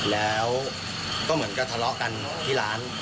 แล้วก็เหมือนกับทะเลาะกันที่ร้าน